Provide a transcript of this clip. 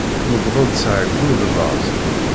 Newweḍ-d s εeyyu d laẓ.